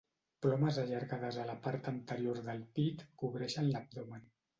Plomes allargades a la part anterior del pit cobreixen l'abdomen.